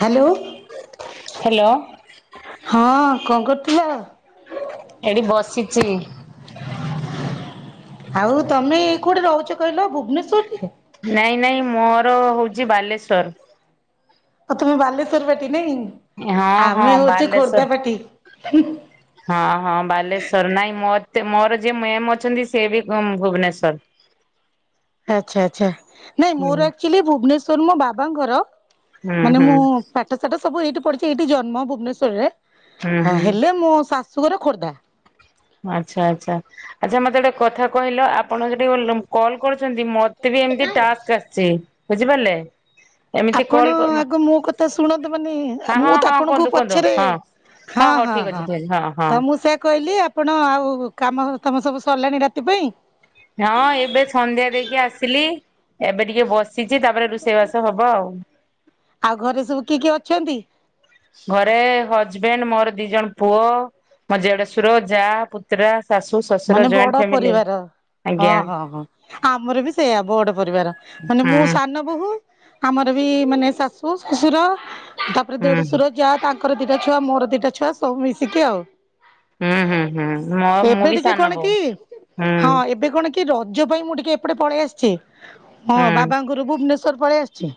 Hello hello. ହଁ। କଣ କରୁଥିଲ? ଏଠି ବସିଚି। ଆଉ ତମେ କୋଉଠି ରହୁଚ କହିଲ ଭୁବନେଶ୍ଵରରେ? ନାଇଁ ନାଇଁ ମୋର ହଉଚି ବାଲେଶ୍ଵର। ଆଉ ତମେ ବାଲେଶ୍ଵର ପାଟି ନାଇଁ। ହଁ ହଁ ଆମେ ହଉଚୁ ବାଲେଶ୍ଵର। ଖୋର୍ଦ୍ଧା ପାଟି। ହଁ ହଁ ବାଲେଶ୍ଵର। ନାଇଁ ମତେ ମୋର ଯିଏ ମେମ୍ ଅଛନ୍ତି ସିଏ ବି ଭୁବନେଶ୍ୱର। ଆଚ୍ଛା ଆଚ୍ଛା। ନାଇଁ ହୁଁ ମୋର ଆକଚୁଆଲି ଭୁବନେଶ୍ଵର ମୋ ବାବାଙ୍କଘର। ହୁଁ ମାନେ ହୁଁ ମୁଁ ପାଠ ସାଠ ସବୁ ଏଇଠି ପଢଚି ଏଇଠି ଜନ୍ମ ଭୁବନେଶ୍ୱରରେ। ହୁଁ ହୁଁ ହେଲେ ମୋ ଶାଶୁଘର ଖୋର୍ଦ୍ଧା। ଆଚ୍ଛା ଆଚ୍ଛା। ଆଚ୍ଛା ମତେ ଗୋଟେ କଥା କହିଲ ଆପଣ ଯଠି କଲ୍ କରୁଛନ୍ତି ମ ମତେ ବି ଏମତି ଟାସ୍କ ଆସିଚି ବୁଝିପାରିଲେ। ଏମିତି ଆପଣ କଲ୍ ଆଗ ମୋ କଥା ଶୁଣନ୍ତୁ ମାନେ, ହଁ ହଁ ମୁଁ ତ ହଁ ଆପଣଙ୍କୁ କୁହନ୍ତୁ କୁହନ୍ତୁ ପଛରେ ହଁ। ହଁ ହଉ ହଁ ଠିକ ଅଛି ହଁ। ଠିକ ଅଛି ହଁ। ତ ମୁଁ ସେଇଆ କହିଲି ଆ ଆପଣ ଆଉ କାମ ତମର ସବୁ ସରିଲାଣି ରାତି ପାଇଁ? ହଁ ଏବେ ସନ୍ଧ୍ୟା ଦେଇକି ଆସିଲି। ଏବେ ଟିକେ ବସ୍ ସିଚି ତାପରେ ରୋଷେଇବାସ ହବ ଆଉ। ଆଉ ଘରେ ସବୁ କିଏ କିଏ ଅଛନ୍ତି? ଘରେ ହଜବେଣ୍ଡ ମୋର ଦି ଜଣ ପୁଅ, ମୋ ଦେଡଶୁର, ଯା ପୁତୁରା। ଶାଶୁ, ଶ ମାନେ ବଡ ପରିବାର। ହଁ ହଁ ହଁ। ଆମର ବି ସେଇଆ ବଡ ପରିବାର। ମାନେ ମୁଁ ହୁଁ ସାନ ବୋହୂ। ଆମର ବି ମାନେ ଶାଶୁ ଶଶୁର ତାପରେ ହୁଁ ଦେଡୁଶୁର ଜା ତାଙ୍କର ଦିଟା ଛୁଆ ମୋର ଦିଟା ଛୁଆ ସବୁ ମିଶିକି ଆଉ। ହୁଁ ହୁଁ ହୁଁ। ମ ମୁଁ ଏବେ ବି ଟିକେ ସା କଣ କି ହଁ ଏବେ କଣ କି କି ରଜ ପାଇଁ ମୁଁ ଟିକେ ଏପଟେ ପଳେଇ ଆସିଚି। ହଁ ହୁଁ ବାବାଙ୍କଘରୁକୁ ଭୁବନେଶ୍ଵର ପଳେଇ ଆସିଚି।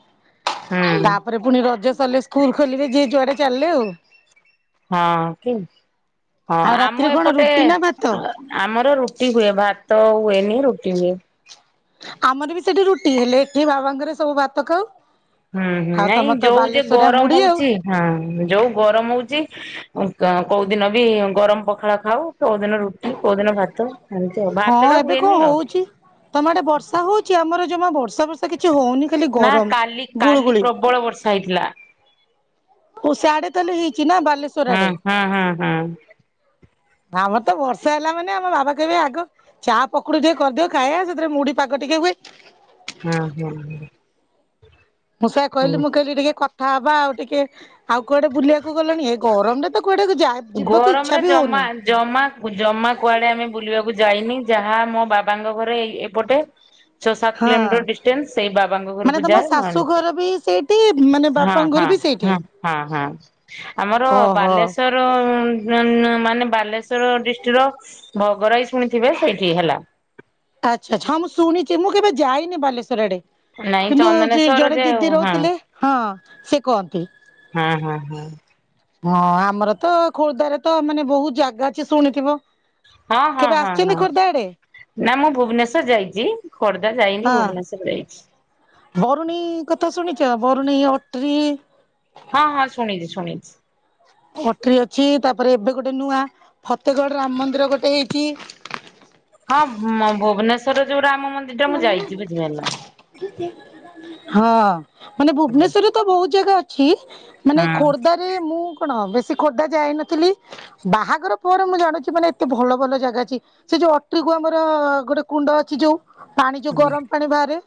ହୁଁ ତାପରେ ପୁଣି ରଜ ସରିଲେ ସ୍କୁଲ ଖୋଲିବେ ଯିଏ ଯୁଆଡେ ଚାଲିଲେ ଆଉ। ହଁ କି। ହଁ ଆଉ ରାତିରେ ଆମ କଣ ଏପଟେ ରୁଟି ନା ଭାତ? ଆମର ରୁଟି ହୁଏ। ଭାତ ହୁଏନି ରୁଟି ହୁଏ। ଆମର ବି ସେଠି ରୁଟି, ହେଲେ ଏଠି ବାବାଙ୍କଘରେ ସବୁ ଭାତ ଖାଉ। ହୁଁ ହୁଁ ଆଉ ନାଇଁ ତମର ତ ଯୋଉ ଯେ ବାଲେଶ୍ଵରିଆ ଗରମ ମୁଢି ଆଉ ହଉଛି ହଁ ଯୋଉ ଗରମ ହଉଛି କୋଉ ଦିନ ବି ଗରମ ପଖାଳ ଖାଉ। କୋଉ ଦିନ ରୁଟି କୋଉ ଦିନ ଭାତ ଏମିତି ଆଉ ହଁ ଭାତ ଟା ଏବେ କଣ ହୁଏନି ଆଉ। ହଉଛି? ତମ ଆଡେ ବର୍ଷା ହଉଛି ଆମର ଜମା ବର୍ଷା ବର୍ଷା କିଛି ହଉନି। ଖାଲି ନା ଗରମ କାଲି କାଲି ଗୁଳୁଗୁଳି। ପ୍ରବଳ ବର୍ଷା ହେଇଥିଲା। ଓ ସିଆଡେ ତାହେଲେ ହେଇଛି ନା ବାଲେଶ ହୁଁ ହୁଁ ହୁଁ ହୁଁ। ଆମର ତ ବର୍ଷା ହେଲା ମାନେ ଆମ ବାବା କହିବେ ଆଗ ଚା ପକୁଡି ଟିକେ କରିଦିଅ ଖାଇବା ସେଥିରେ ମୁଢି ପାଗ ଟିକେ ହୁଏ। ହଁ ହଁ ହଁ। ମୁଁ ସେଆ କହିଲି ମୁଁ କହିଲି ଟିକେ କଥା ହବା ଆଉ ଟିକେ ଆଉ କୁଆଡେ ବୁଲିବାକୁ ଗଲଣି ଏ ଗରମରେ ତ କୁଆଡେ କୁ ଯା ଗରମରେ ଜମା ଜମା କୁ ଜମା କୁଆଡେ ଆମେ ବୁଲିବାକୁ ଯାଇନି ଯାହା ମୋ ବାବାଙ୍କ ଘରେ ଏଇ ଏପଟେ ଛଅ ସାତ ହୁଁ। ହଁ କିଲୋମିଟର ଡିଷ୍ଟାନ୍ସ ସେଇ ବାବାଙ୍କ ମାନେ ଘରକୁ ତମ ଯାଏ ନହେଲେ ଶାଶୁ ଘର ବି ସେଇଠି ମାନେ ହଁ ବାପାଙ୍କ ହଁ ଘର ବି ସେଇଠି? ହଁ ହଁ ହଁ ଆମର ଓହୋ ବାଲେଶ୍ଵର ର ମ୍ ମାନେ ବାଲେଶ୍ଵର ଡିଷ୍ଟ୍ରିକ୍ଟର ଭଗରାଇ ଶୁଣିଥିବେ ସେଇଠି ହେଲା। ଆଚ୍ଛା ଆଚ୍ଛା ହଁ ମୁଁ ଶୁଣିଛି ମୁଁ କେବେ ଯାଇନି ବାଲେଶ୍ୱର ଆଡେ। ନାଇଁ କିନ୍ତୁ ଯ ଚନ୍ଦନେଶ୍ଵର ଜଣେ ଯେ ହଁ ଦିଦି ହଁ ରହୁଥିଲେ ହଁ ସେ କୁହନ୍ତି। ହଁ ହଁ ହଁ। ହଁ ଆମର ତ ଖୋର୍ଦ୍ଧାରେ ତ ମାନେ ବହୁତ ଜାଗା ଅଛି ଶୁଣିଥିବ। ହଁ ହଁ କେବେ ହଁ ଆସିଛନ୍ତି ହଁ। ଖୋର୍ଦ୍ଧା ଆଡେ ନା ମୁଁ ଭୁବନେଶ୍ୱର ଯାଇଛି ଖୋର୍ଦ୍ଧା ଯାଇନି ଭୁବନେଶ୍ଵର ଯାଇଛି। ବରୁଣେଇ କଥା ଶୁଣିଛ ବରୁଣେଇ ଅଟ୍ରି? ହଁ ହଁ ଶୁଣିଛି ଶୁଣିଛି। ଅଟ୍ରି ଅଛି ତାପରେ ଏବେ ଗୋଟେ ନୂଆ ଫତେଗଡ ରାମ ମନ୍ଦିର ଗୋଟେ ହେଇଛି। ହଁ ମ ଭୁବନେଶ୍ଵର ଯୋଉ ରାମ ମନ୍ଦି ହଁ ମାନେ ଭୁବନେଶ୍ୱରରେ ତ ବହୁତ ଜାଗା ଅଛି ମାନେ ହୁଁ ଖୋର୍ଦ୍ଧାରେ ମୁଁ କଣ ବେଶୀ ଖୋର୍ଦ୍ଧା ଯାଇନଥିଲି। ବାହାଘର ପରେ ମୁଁ ଜାଣୁଛି ମାନେ ଏତେ ଭଲ ଭଲ ଜାଗା ଅଛି। ସେ ଯୋଉ ଅଟ୍ରିକୁ ଆମର ଗୋଟେ କୁଣ୍ଡ ଅଛି ଯୋଉ। ପାଣି ଯୋଉ ଗରମ ପାଣି ବାହାରେ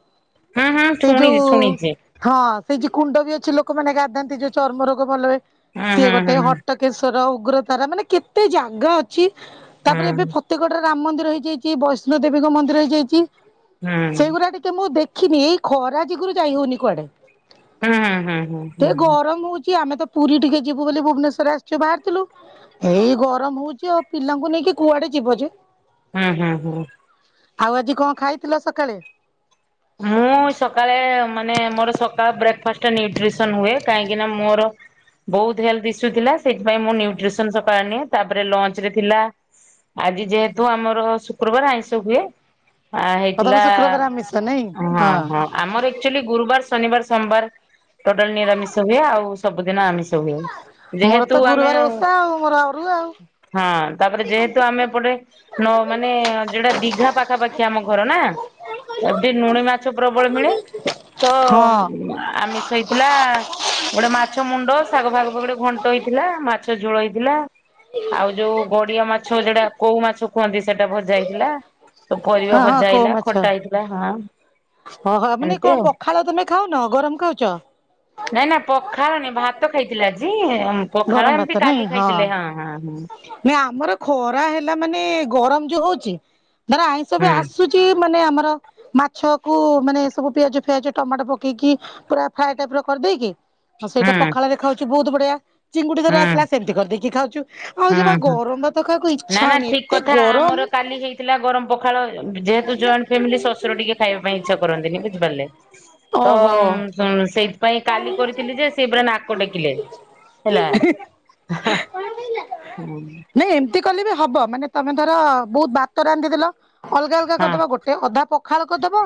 ହୁଁ ହୁଁ ସେଇ ଶୁଣିଛି ଯୋଉ ଶୁଣିଛି ହଁ ସେଇ ଯି କୁଣ୍ଡ ବି ଅଛି ଲୋକମାନେ ଗାଧାନ୍ତି ଯୋଉ ଚର୍ମ ରୋଗ ଭଲ ହୁଏ ହୁଁ ସିଏ ହୁଁ ଗୋଟେ ହୁଁ ହଟ କେଶର ଉଗ୍ରତାରା ମାନେ କେତେ ଜାଗା ଅଛି ହୁଁ। ତାପରେ ଏବେ ଫତେଗଡରେ ରାମ ମନ୍ଦିର ହେଇଯାଇଛି ବୈଷ୍ଣୋ ଦେବୀଙ୍କ ମନ୍ଦିର ହେଇଯାଇଛି। ସେଇଗୁଡା ଟିକେ କେ ମୁଁ ଦେଖିନି ଏଇ ଖରା ଯୋଗୁରୁ ଯାଇ ହଉନି କୁଆଡେ। ହୁଁ ହୁଁ ହୁଁ ହୁଁ ସେ ହୁଁ ହୁଁ ଗରମ ହଉଛି ଆମେ ତ ପୁରୀ ଟିକେ ଯିବୁ ବୋଲି ଭୁବନେଶ୍ୱର ଆସିଚୁ ବାହାରଥିଲୁ। ଏଇ ଗରମ ହଉଛି ଆଉ ପିଲାଙ୍କୁ ନେଇକି କୁଆଡେ ଯିବ ଯେ ହୁଁ ହୁଁ ହୁଁ ଆଉ ଆଜି କଣ ଖାଇଥିଲ ସକାଳେ? ମୁଁ ସକାଳେ ମାନେ ମୋର ସକାଳେ ବ୍ରେକ୍ ଫାଷ୍ଟ ନିୟୁଟ୍ରିସନ ହୁଏ କାହିଁକି ନା ମୋର ବହୁତ ହେଲ୍ଥ୍ ଇସୁ ଥିଲା ସେଇଥିପାଇଁ ମୁଁ ନିୟୁଟ୍ରିସନ୍ ସକାଳେ ନିଏ ତାପରେ ଲଞ୍ଚ୍ ରେ ଥିଲା ଆଜି ଯେହେତୁ ଆମର ଶୁକ୍ରୁବାର ଆଇଁଷ ହୁଏ ଆ- ଆଉ ତମେ ହେଇଥିଲା ଶୁକ୍ରବାର ଆମିଷ ନାଇଁ ଅ- ହଁ ଆମର ଏ ଆକ୍ଚୁଆଲି ଗୁରୁବାର୍, ଶନିବାର୍, ସୋମବାର୍, ଟୋଟାଲ୍ ନିରାମିଷ ହୁଏ ଆଉ ସବୁଦିନ ଆମିଷ ହୁଏ ମୋର ତ ଯେହେତୁ ଆମେ ଗୁରୁବାର ହଁ ଓଷା ଆଉ ମୋର ଅରୁଆ ଆଉ। ତାପରେ ଯେହେତୁ ଆମେ ଏପଟେ ନ ମାନେ ଯଉଡା ଦିଘା ପାଖାପାଖି ଆମ ଘର ନା ଏଠି ନୁଣି ମାଛ ପ୍ରବଳ ମିଳେ ତ ହଁ ଆମେ ସେହି ଥିଲା ଗୋଟେ ମାଛ ମୁଣ୍ଡ ଶାଗ ଫାଗ ପଡି ଗୋଟେ ଘଣ୍ଟ ହେଇଥିଲା ମାଛ ଝୋଳ ହେଇଥିଲା ଆଉ ଯଉ ଗଡିଆ ମାଛ ସେଟା କଉ ମାଛ କୁହନ୍ତି ସେଟା ଭଜା ହେଇଥିଲା। ହଁ ହଁ ପରିବାଭଜା କଉ ହେଇଲା ମାଛ ଖଟା ହେଇଥିଲା ହଁ। ଓହୋ ମାନେ ଏମିତି କଣ ଆଉ। ପଖାଳ ତମେ ଖାଉନ ଗରମ୍ ଖାଉଚ? ନାଇଁ ନା ପଖାଳ ନି ଭାତ ଖାଇଥିଲି ଆଜି ପଖାଳ ଏମିତି କାଲି ଖାଇଥିଲେ ହଁ- ହଁ -ହଁ। ନ ଆମର ଖରା ହେଲା ମାନେ ଗରମ୍ ଯଉ ହଉଚି ଧର ଆଇଁଷ ବି ହୁଁ ଆସୁ ଚି ମାନେ ଆମର ମାଛକୁ ମାନେ ଏ ସବୁ ପିଆଜ ଫିଆଜ ଟମାଟୋ ପକେଇକି ପୁରା ଫ୍ରାଏ ଟାଇପ୍ ର କରିଦେଇକି ହଁ ସେଇଟା ହୁଁ ପଖାଳରେ ଖାଉଚୁ ବହୁତ୍ ବଢିଆ ଚିଙ୍ଗୁଡି ଥରେ ହୁଁ ଆସିଲା ସେମିତି କରିଦେଇକି ଖାଉଚୁ। ଆଉ ଯମା ହୁଁ ହୁଁ। ଗରମ୍ ଭାତ ଖାଇବାକୁ ନା ଇଚ୍ଛା ନା ହଉନି ଠିକ ଏତେ କଥା ଗରମ୍ ଆମର କାଲି ହେଇଥିଲା ଗରମ୍ ପ ପଖାଳ ଯେହେତୁ ଜଏଣ୍ଟ୍ ଫ୍ୟାମିଲି ଶଶୁର ଟିକେ ଖାଇବା ପାଇଁ ଇଚ୍ଛା କରନ୍ତିନି ବୁଝିପାରିଲେ। ଓହୋ। ହଁ ସେଇଥିପାଇଁ କାଲି କରିଥିଲି ଯେ ସେ ପୁରା ନାକ ଟେକିଲେ। [inaudible] ହେଲା। ନାଇଁ ଏମିତି କଲେ ବି ହବ ମାନେ ତମେ ଧର ବହୁତ୍ ଭାତ ରାନ୍ଧି ଦେଲ ଅଲଗା ଅଲଗା ହଁ କରିଦବ ଗୋ ଅଧା ପଖାଳ କରିଦବ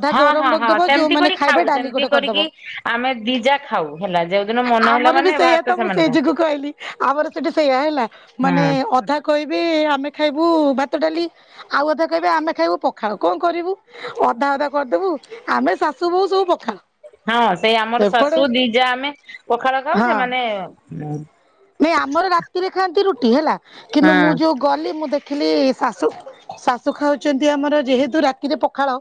ଅଧା ହଁ ଗରମ୍ ହଁ ହଁ ରଖିଦବ ସେମିତି ଯଉମାନେ କରି ଖାଇବେ ଖାଉ ଡାଲି ସେମିତି ଗୋଟେ କରିକି କରିଦବ। ଆମେ ଦି ଜା ଆମର ବି ସେଇଆ ତ ମୁଁ ସେମାନେ ସେଇ ଖାଉ। ଯୋଗୁ କୁ କହିଲି ଆମର ସେଠି ସେଇଆ ହେଲା। ମାନେ ହଁ ଅଧା କହିବେ ଆମେ ଖାଇବୁ ଭାତ ଡାଲି ଆଉ ଅଧା କହିବେ ଆମେ ଖାଇବୁ ପଖାଳ କଣ କରିବୁ ଅଧା ଅଧା କରିଦବୁ ଆମେ ଶାଶୁ ବୋହୂ ସବୁ ପଖାଳ। ହଁ ସେଇ ଆମର ସେପଟେ ଶାଶୁ ଦି ଜା ଆମେ ପଖାଳ ଖାଉ ହଁ ସେମାନେ ନାଇଁ ଆମର ରାତିରେ ଖାଆନ୍ତି ରୁଟି ହେଲା କିନ୍ତୁ ମୁଁ ଯଉ ଗଲି ମୁଁ ଦେଖିଲି ଶାଶୁ -ଶାଶୁ ଖାଉଚନ୍ତି ଆମର ଯେହେତୁ ରାତିରେ ପଖାଳ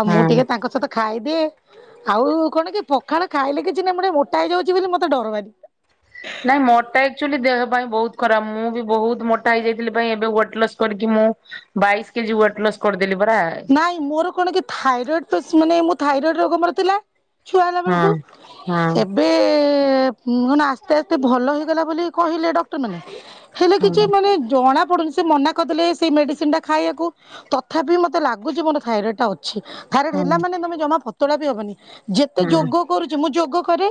ଆଉ ମୁଁ ହଁ। ଟିକେ ତାଙ୍କ ସହିତ ଖାଇଦିଏ ଆଉ କଣ କି ପଖାଳ ଖାଇଲେ କିଛି ନାଇଁ ମୁଁ ଟିକେ ମୋଟା ହେଇଯାଉଚି ବୋଲି ମତେ ଡର ଭାରି। ନାଇଁ ମୋଟା ଆକ୍ଚୁଆଲି ଦେହ ପାଇଁ ବହୁତ୍ ଖରାପ୍ ମୁଁ ବି ବହୁତ୍ ମୋଟା ହେଇଯାଇଥିଲି [unintelligible] ଏବେ ୱେଟ୍ ଲସ୍ କରିକି ମୁଁ ବାଇଶ୍ କେଜି ୱେଟ୍ ଲସ୍ କରିଦେଲି ପରା। ନାଇଁ ମୋର କଣ କି ଥାଇରଡ୍ ତ ମାନେ ମୁଁ ଥାଇରଡ୍ ରୋଗ ମୋର ଥିଲା। ଛୁଆ ହେଲା ବେଳକୁ ହଁ ହଁ ଏବ୍ ଏବେ [unintelligible] ଆସ୍ତେ ଆସ୍ତେ ଭଲ ହେଇଗଲା ବୋଲି କହିଲେ ଡକ୍ଟର୍ ମାନେ ହେଲେ ହଁ କିଛି ମାନେ ଜଣା ପଡୁନି ସେ ମନା କରିଦଲେ ସେଇ ମେଡିସିନ୍ ଟା ଖାଇବାକୁ ତଥାପି ମତେ ଲା ଲାଗୁଚି ମତେ ଥାଇରଡ୍ ଟା ଅଛି ଥାଇରଡ୍ ହଁ ହେଲା ମାନେ ତମେ ଜମା ପତଳା ବି ହବନି ଯେତେ ହଁ ଯୋଗ କରୁଚି ମୁଁ ଯୋଗ କରେ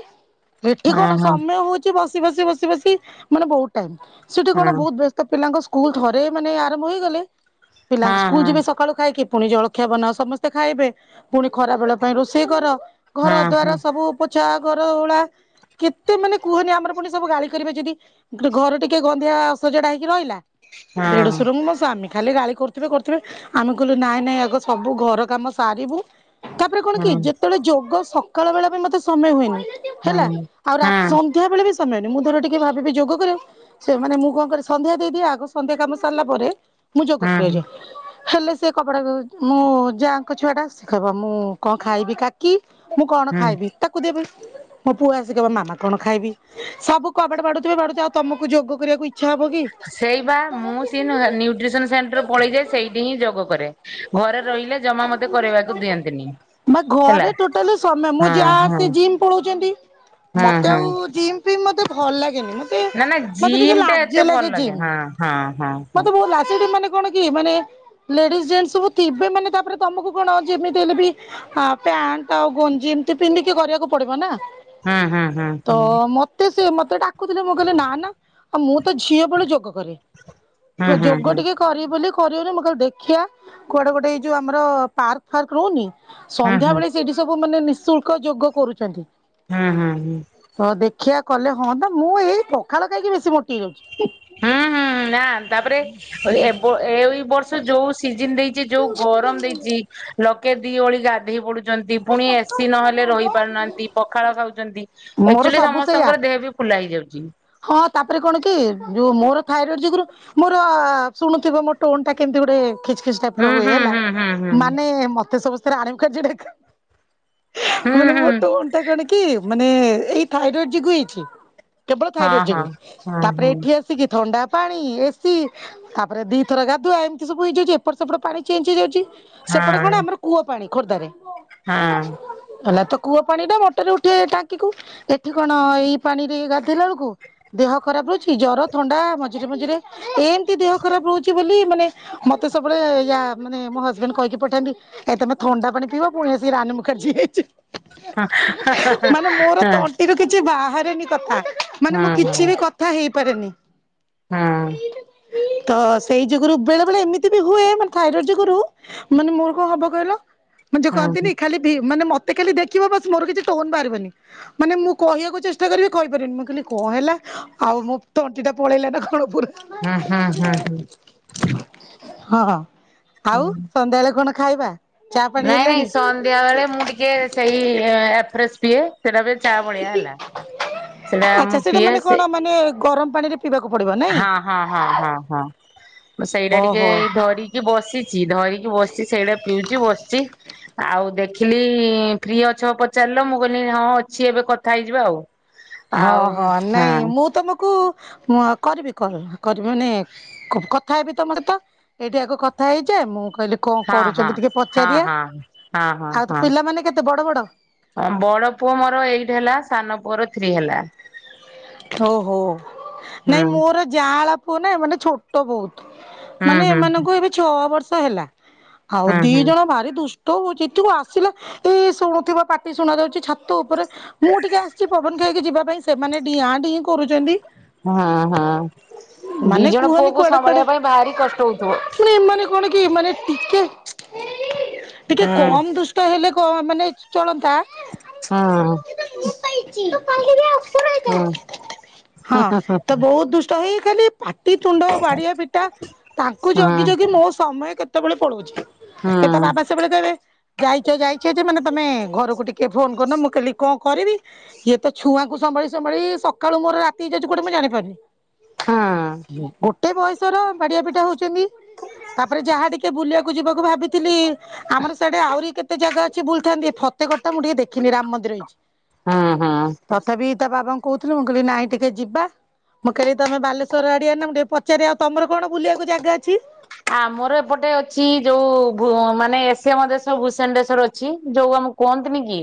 ଏଠି ହଁ କଣ ହଁ ସମୟ ହଉ ଚି ବସି- ବସି -ବସି -ବସି ମାନେ ବହୁତ୍ ଟାଇମ୍ ସେଠି କଣ ହଁ ବହୁତ୍ ବେସ୍ ତ ପିଲାଙ୍କ ସ୍କୁଲ୍ ତଥରେ ମାନେ ଆରମ୍ଭ ହେଇଗଲେ ପିଲାଙ୍କ ହଁ ହଁ ହଁ ହଁ ହଁ ସ୍କୁଲ୍ ଯିବେ ସକାଳୁ ଖାଇକି ପୁଣି ଜଳଖିଆ ବନାଅ ସମସ୍ତେ ଖାଇବେ ପୁଣି ଖରା ବେଳ ପାଇଁ ରୋଷେଇ କର ଘର ହଁ ଦ୍ଵାର ସବୁ ପଚା ଘରଉଳା। କେତେ ମାନେ କୁହନି, ଆମର ପୁଣି ସବୁ ଗାଳି କରିବେ, ଯଦି ଘର ଟିକେ ଗନନ୍ଧିଆ ଅସଜଡା ହେଇକି ରହିଲା। ଦେଢଶୁର, ମୋ ସ୍ବାମୀ ଖାଲି ଗାଳି କରୁଥିବେ କରିଥିବେ, ଆମେ କଲେ। ନାଇଁ ନାଇଁ, ଆଗ ସବୁ ଘର କାମ ସାରିବୁ। ତାପରେ କଣ କି, ଯେତେବେଳେ ଯୋଗ ସକାଳ ବେଳେ ପାଇଁ ମତେ ସମୟ ହୁଏନି ହେଲା, ଆଉ ହଁ ରାତ୍ ହଁ ସିଂ। ତୁହାବେଳେ ବି ସମୟ ନି, ମୁଁ ଧର ଟିକେ ଭାବିବି ଯୋଗ କରିବାକୁ। ସେ ମାନେ, ମୁଁ କଣ କରେ, ସନ୍ଧ୍ୟା ଦେଇଦିଏ। ଆଗ ସନ୍ଧ୍ୟା କାମ ସାରିଲା ପରେ ମୁଁ ଯୋଗ କରେ ହେଲେ। ହଁ ସେ କପଡ଼ାକୁ ଧୋଚି, ମୁଁ ଯାଁଙ୍କ ଛୁଆଟା ସୁଖାବ। ମୁଁ କଣ ଖାଇବି କାକ୍? କି ମୁଁ କଣ ହଁ। ଖାଇବି, ତାକୁ ଦେବି? ମୋ ପୁଅ ଆସିଯିବ। ମାମା, କଣ ଖାଇବି? ସବୁ କବାଡ ବାଡେଉଥିବେ, ବାଡେଉଥିବେ ଆଉ ତମକୁ ଯୋଗ କରିବାକୁ ଇଚ୍ଛା ହବ କି? ସେଇ ବା ମୁଁ ସିଏନା ନ୍ୟୁଟ୍ରିସନ ସେଣ୍ଟର ପଳେଇଯାଏ, ସେଇଠି ହିଁ ଯୋଗ କରେ। ଘରେ ରହିଲେ ଜମା ମତେ କରିବାକୁ ଦିଅନ୍ତିନି। ବା ହେଲା। ଘରେ ଟୋଟାଲ ସମୟ ମୁଁ ହଁ ଯାହା ହଁ ଆସି ଜିମ୍ ପଳାଉଛନ୍ତି, ହଁ ମତେ ଆଉ ହଁ। ଜିମ୍ ସେ ମୋତେ ଭଲ ଲାଗେନି। ଟିଏ ନା ନା ମତେ ଟିକେ ଜିମ୍ ଟା ଏତେ ଲାଜ ଭଲ ଲାଗେ, ଜିମ୍ ହଁ ହଁ ହଁ ହଁ। ମତେ ବହୁତ୍ ଲାଚେଟିନ ମାନେ। କଣ କି, ମାନେ ଲେଡିସ୍ ଜେନସ୍ ସବୁ ଥିବେ ମାନେ ତା, ପରେ ତମକୁ କଣ ଯେମିତି ହେଲେ ବି ଆ ପ୍ୟାଣ୍ଟ ଆଉ ଗଞ୍ଜି ଏମିତି ପିନ୍ଧିକି କରିବାକୁ ପଡିବ ନାଁ? ହୁଁ ହୁଁ ହୁଁ ତ ମତ୍ ମତେ ସେ ମତେ ଡାକୁଥିଲେ, ମୁଁ କହିଲେ ନା ନା। ଆଉ ମୁଁ ତ ଝିଅ ବେଳୁ ଯୋଗ କରେ। ହୁଁ ହୁଁ ଯୋଗ ହୁଁ ଟିକେ କରିବି ବୋଲି କରିବି ବୋଲି ମୁଁ କହିଲି ଦେଖିବା। କୁଆଡେ ଗୋଟିଏ ଏଇ ଯୋଉ ଆମର ପାର୍କ ଫାର୍କ, ରହୁନି ହୁଁ ହୁଁ ହୁଁ ସନ୍ଧ୍ୟା ବଳେ ସେଇଠି ସବୁ ମାନ ନିଃଶୁଳ୍କ। ୟାଙ୍କ ଯୋଗ କରୁଛନ୍ତି। ହୁଁ ହୁଁ। ହଉ, ଦେଖିବା କଲେ ହୁଅନ୍ତା ମୁଁ ଏଇ ପଖାଳ ଖାଇକି ବେଶୀ ମୋଟି ହେଇ ଯାଉଛି। ହୁଁ ହୁଁ ନା। ତାପରେ ଏବ ଏଇ ବର୍ଷ ଯୋଉଁ ସିଜନ ଦେଇ ଜିଏ ଯୋଉ ଗରମ ଦେଇଚି ଲୋକେ ଦି ଓଳି ଗାଧେଇ ପଡୁ [unintelligible] ପୁଣି ଏସି ନହେଲେ ରହି ପାରୁନାହାନ୍ତି, ପଖାଳ ଖାଉଛନ୍ତି, ଏକ୍ ମୋର ଚୁଲି ସବୁ ସେଇଆ ସମସ୍ତଙ୍କର ଦେଏ ବି ଫୁଲା ହେଇଯାଉଚି। ହଁ, ତାପରେ କଣ କି, ଯୋଉ‍ଁ ମୋର ଥାଇରଏଡ ଯୋଗୁରୁ ମୋର ଶୁଣୁଥିବ ମୋ ଟୋନ ଟା କେମତି ଗୋଟେ? ଖିଚ୍ ଖିଚ୍ ଟାଇପ ର ହୁଁ ହୁଏ ହୁଁ ହେଲା, ହୁଁ ହୁଁ ହୁଁ। ମାନେ ମତେ ସମସ୍ତେ ଆରାୟମ ହୁଁ ମୋର ହୁଁ ମୋଟ କଣ୍ଟା କରିକି ମାନେ ଏଇ ଥାଇରଏଡ୍ ଯୋଗୁଁ ହେଇଛି କେବଳ। ହଁ ଥାଇରଏଡ୍ ହଁ ଯୋଗୁ ହଁ ତାପରେ ହଁ ଏଠି ଆସିକି ଥଣ୍ଡା ପାଣି, ଏସି ତାପରେ ଦିଥର ଗାଧୁଆ ଏମତି ସବୁ ହୋଇଯାଇଛି। ଏପଟ ସେପଟ ପାଣି ଚେଞ୍ଜ୍ ହେଇଯାଉଛି। ହଁ ସେପଟେ କଣ ଆମର କୂଅ ପାଣି ଖୋର୍ଦ୍ଧାରେ ହଁ। ହେଲା ତକ୍। କୂଅ ପାଣି ଟା ମୋଟରରେ ଉଠେ ଟାଙ୍କିକୁ। ଏଠି କଣ ଏଇ ପାଣି ରେ ଗାଧେଇଲା ବେଳୁକ କୁ ଦେହ ଖରାପ ରହୁଚି ଜର, ଥଣ୍ଡା ମଝିରେ ମଝିରେ ଏମତି ଦେହ ଖରାପ ରହୁଚି ବୋଲି ମାନେ ମତେ ସବୁବେଳେ ୟା ମାନେ ମୋ ହଜବମେଣ୍ଡ କହିକି ପଠାନ୍ତି। ଏତେତ ଥଣ୍ଡା ପାଣି ପିବ ପୁଣି ସେ ରାନି ମୁଖର୍ଜୀ ହୋଇଛି। ହଁ [unintelligible] ହଁ ଇର କିଛି ବାହାରେନି କଥା, ମାନେ ହଁ ମୁଁ ହଁ ହଁ କିଛି ବି କଥା ହେଇପାରେନି। ହଁ। ତ ସେଇ ଯୋଗୁରୁ ବେଳେ ବେଳେ ଏମିତି ବି ହୁଏ ମାନେ ଥାଇରଏଡ୍ ଯୋଗୁରୁ। ମାନେ ମୁହଁ ହୋବ କହିଲ ହଁ ହୁଁ ଯେକହନ୍ତିନି ଖାଲିକ୍ ତି ମାନେ ମତେ କାଲି ଦେଖିବ ବାସ୍ ମୋର କିଛି ଟୋନ ବାହାରିବନି। ମାନେ ମୁଁ କହିବାକୁ ଚେଷ୍ଟା କରିବି କହିପାରିନି ମୁଁ କହିଲି କଣ ହେଲା? ଆଉ ମୁଁ ତଣ୍ଟି ଟା ପଳେଇଲା ନା କଣ ପୁରା? ହଁ ହଁ, ହଁ, ହୁଁ। ହଁ, ହଁ ଆଉ ହୁଁ। ସନ୍ଧ୍ୟାବେଳେ କଣ ଖାଇବା? ଚା ପାଣି ନାଇଁ ନାଇଁ ହେଲାଣି ସନ୍ଧ୍ୟା ବେଳେ ମୁଁ ଟିକେ ସେଇ ଏ, ଏଫରେସ୍ ପିଏ। ସେଟା ବି ଚା ଭଳିଆ ହେଲା, ସେଟା ଆଚ୍ଛା ମୁଁ ସେଇଟା ପିଏ ମାନେ କଣ ସେ ମାନେ ଗରମ ପାଣିରେ ପିଇବାକୁ ପଡିବ। ନାଇଁ ହଁ, ହଁ, ହଁ, ହଁ, ହଁ ମୁଁ ସେଇଟା ଟିକେ ଓହୋ। ଏଇ ଧରି ଚି ବସିଛି ଧରିକି ବସିଛି ସେଇଟା ପିଉଚି ବସିଛି। ଆଉ ଦେଖିଲି ଫ୍ରି ଅଛ ପଚାରିଲ ମୁଁ କହିଲି ହଁ ଅଛି ଏବେ କଥା ହେଇଯିବା ଆଉ। ହଁ, ହଁ ନାଇଁ ମୁଁ ତୋମକୁ ମୋ କରିବି କଲ୍, କରିବି ମାନେ କ-କଥା ହେବି ତୋମର ତ ଏଇଠି ଆଗ କଥା ହେଇଯା, ମୁଁ କହିଲି କଣ ହଁ ହଁ କରୁଛନ୍ତି ଟିକେ ହଁ ପଚାରିବା? ହଁ। ହଁ ହଁ ଆଉ ତ ପିଲାମାନେ କେତେ ବଡ ବଡ? ହଁ ବଡ ପୁଅ ମୋର ଏଇଟ୍ ହେଲା, ସାନ ପୁଅର ଥ୍ରୀ ହେଲା। ହୋ ହୋ ନାଇଁ ହୁଁ ମୋର ଜାଆଁଳା ପୁଅ ନା ମାନେ ଛୋଟ ବହୁତ। ହୁଁ ମାନେ ହୁଁ ଏମାନଙ୍କୁ ଏବେ ଛଅ ବର୍ଷ ହେଲା, ଆଉ ହୁଁ ଦି ହୁଁ। ଜଣ ଭାରି ଦୁଷ୍ ଟ ହଉଛି [unintelligible] ଆସିଲ ଏଇ ଶୁଣୁଥୁବ ପାଟି ଶୁଣାଯାଉଛି ଛାତ ଉପରେ। ମୁଁ ଟିକେ ଆସିଛି ପବନ ଖାଇକି ଯିବା ପାଇଁ। ସେମାନେ ଡିଆଁ ଡିଁ କରୁଚନ୍ତି। ହଁ, ହଁ ଦି ଜଣ କୁହନି ପୁଅକୁ କୁଆଡେ କୁଆଡେ ସମ୍ଭାଳିବା ପାଇଁ ଭାରି କଷ୍ଟ ହଉଥିବ? ମାନେ ଏମାନେ କଣ କି ମାନେ ଟିକେ ଟିକେ ହୁଁ କମ ଦୁଷ୍ ଟ ହେଲେ କ- ମାନେ ଚଳନ୍ତା। ହଁ। ହୁଁ ହଁ ତ ବହୁତ ଦୁଷ୍ ଟ ହେଇ ଖାଲି ପାଟିିତୁଣ୍ଡ ବାଡିଆ ପିଟା ତାଙ୍କୁ ହୁଁ ଜଗି ଜଗି ମୋ ସମୟ କେ ତେବେଳେ ପଳଉଛି। ଏ ତା ହଁ। ବାବା ସବେଳେ କହିବେ ଯାଇଚ ଯାଇଛ ଯେ ମାନେ ତୋମେ ଘରକୁ ଟିକେ ଫୋନ୍ କରନ। ମୁଁ କହିଲି କଣ କରିବି ଇଏ ତ ଛୁଆଙ୍କୁ ସମ୍ଭାଳି ସମ୍ଭାଳି ସକାଳୁ ମୋର ରାତି ହେଇ ଯାଉଛି କୁଆଡେ ମୁଁ ଜାଣିପାରୁନି। ହୁଁ [unintelligible] ଗୋ ଟେ ବୟସର ବାଡିଆ ପିଟା ହଉଛନ୍ତି, ତାପରେ ଯାହା ଟିକେ ବୁଲିବାକୁ ଯିବାକୁ ଭାବିଥିଲି। ଆମର ସିଆଡେ ଆଉରି କେତେ ଜାଗା ଅଛି ବୁଲଥାନ୍ତି। ଏ ଫତେଗଡଟା ମୁଁ ଟିକେ ଦେଖିନି ରାମ ମନ୍ଦିର ହେଇଛି। ହୁଁ। ତଥାପି ତା ବାବାଙ୍କୁ କହୁଥିଲୁ ମୁଁ କହିଲି ନାଇଁ ଟିକେ ଯିବା। ମୁଁ କହିଲି ତୋମେ ବାଲେଶ୍ଵର ଆଡିଆ ନା ମୁଁ ଟିକେ ପଚାରେ ଆଉ ତୋମର କଣ ବୁଲିବାକୁ ଜାଗା ଅଛି? ଆମର ଏପଟେ ଅଛି ଯୋଉ ଭୂ- ମାନେ ଏସିଆ ମହାଦେଶ ଭୂଷଣ୍ଡେଶ୍ଵର ଅଛି ଯୋଉ ଆମ କୁହନ୍ତିନି କି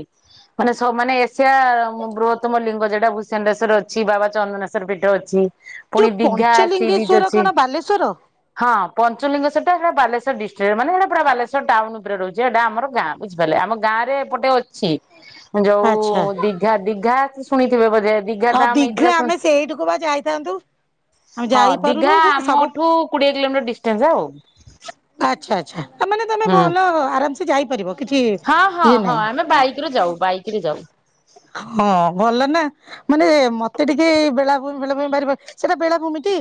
ମାନେ ସ-ମାନେ ଏସ ସିଆ ମୁ-ବୃହତ୍ତମ ଲିଙ୍ଗ ଯେଟା ଭୂଷଣ୍ଡେଶ୍ଵର ଅଛି, ବାବା ଚନ୍ଦନେଶ୍ଵର ପୀଠ ଅଛି। ଯୋଉ ପୁଣି ଦିଘା ସି ବିଚ୍ ପଞ୍ଚଲିଙ୍ଗେଶ୍ଵର ଅଛି କଣ ବାଲେଶ୍ଵର? ହଁ। ପଞ୍ଚଲିଙ୍ଗେଶ୍ଵର ସେଟା ଆମ ବାଲେଶ୍ବର ଡିଷ୍ଟ୍ରିକ୍ଟ ରେ ମାନେ ସେଟା ପୁରା ବାଲେଶ୍ୱର ଟାଉନ୍ ଉପରେ ରହୁଛି, ହେଟା ଆମର ଗାଁ। ବୁଝିପାରିଲେ ଆମ ଗାଁରେ ଏପଟେ ଅଛି। ଯୋଉ ଆଚ୍ଛା ଦିଘା ଦିଘା ଶୁଣିଥିବେ ବୋଧେ? ଦିଘା ହଁ ଦାମ୍ ଦିଘା, ହେଇଥିଲା ଶୁଣି ଆମେ ସେଇଠିକୁ ବା ଯାଇଥାନ୍ତୁ। ଆମେ ହଁ ଯାଇପାରୁନୁ ଦିଘା ସବୁ ଆମଠୁ କୋଡିଏ କିଲୋମିଟର ଡିଷ୍ଟାନ୍ସ ଆଉ। ଆଚ୍ଛା, ଆଚ୍ଛା ତା ମାନେ ତୋମେ ହୁଁ ଭଲ ଆରାମ ସେ ଯାଇପାରିବ। କିଛି ହଁ, ହଁ, ଇଏ ହଁ ନାହିଁ। ଆମେ ବାଇକ୍ ରେ ଯାଉ। ବାଇକ୍ ରେ ଯାଉ। ହଁ ଭଲ ନା। ମାନେ ମତେ ଟିକେ ବେଳାଭୂମି ବେଳାଭୂମି ବାରିବ ସେଟା ବେଳାଭୂମି ଟି?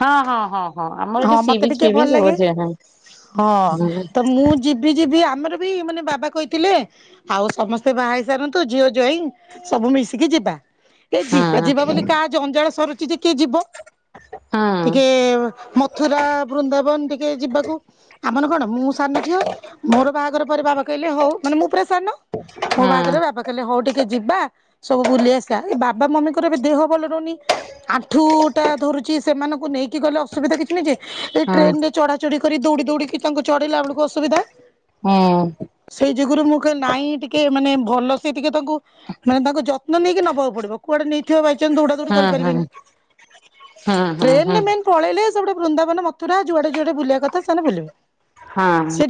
ହଁ ହଁ ହଁ ହଁ ଆମର ଏଠି ହଁ ସି ମତେ ବିଚ୍ ଟିକେ ଫି ଭଲ ବିଚ୍ ସବୁ ଲାଗେ ଅଛି ହଁ ହଁ ହୁଁ ହୁଁ। ତ ମୁଁ ଯିବି ଯିବି ଆମର ବି ମାନେ ବାବା କହିଥିଲେ ଆଉ ସମସ୍ତେ ବାହା ହେଇ ସାରନ୍ତୁ ଝିଅ ଜୋଇଁ ସବୁ ମିଶିକି ଯିବା ଏ ହୁଁ ଯିବା ହୁଁ ଯିବା ହୁଁ ବୋଲି କାହା ଯୋଉ ଅଜଳ ସରୁଛି ଯେ କିଏ ଯିବ ଟିକେ ହୁଁ ମଥୁରା ବୃନ୍ଦାବନ ଟିକେ ଯିବାକୁ ଆମର କଣ ମୁଁ ସାନ ଝିଅ ମୋର ବାହାଘର ପରେ ବାବା କହିଲେ ହଉ ମାନେ ମୁଁ ପୁରା ସାନ। ମୋ ହଁ ବାହାଘରରେ ବାବା କହିଲେ ହଉ ଟିକେ ଯିବା ସବୁ ବୁଲି ଆସିବା ଏଇ ବାବା ମମିଙ୍କର ଏବେ ଦେହ ଭଲ ରହୁନି। ଆଣ୍ଠୁ ଟା ଧରୁଛି ସେମାନଙ୍କୁ ନେଇକି ଗଲେ ଅସୁବିଧା କିଛି ନାହି ଯେ। ଏଇ ଟ୍ରେନ ରେ ଚଢା ଚଢି କରି ଦୌଡି ଦୌଡିକି ତାଙ୍କୁ ଚଢେଇଲା ବେଳକୁ ଅସୁବିଧା। ହୁଁ। ସେଇ ଯୁଗୁରୁ ମୁଁ କହିଲି ନାଇଁ ଟିକେ ମାନେ ଭଲ ସେ ଟିକେ ତାଙ୍କୁ ମାନେ ତାଙ୍କ ଯତ୍ନ ନେଇକି ନବାକୁ ପଡିବ କୁଆଡେ ନେଇ ବାଇଚଂ ଦୌଡ଼ା ଦୌଡି ହୁଁ ହୁଁ କରିପାରିବେନି ହୁଁ ହୁଁ ଟ୍ରେନରେ ମେନ୍ ପଳେଇଲେ ସେପଟେ ବୃନ୍ଦା ବନ ମଥୁରା ଯୁଆଡେ ଯୁଆଡେ ବୁଲିଆ କଥା ସେମାନେ ବୁଲିବେ। ହଁ। ସେଠି